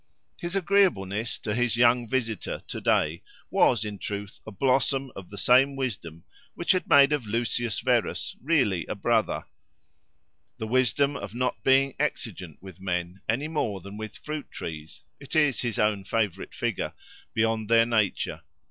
His agreeableness to his young visitor to day was, in truth, a blossom of the same wisdom which had made of Lucius Verus really a brother—the wisdom of not being exigent with men, any more than with fruit trees (it is his own favourite figure) beyond their nature.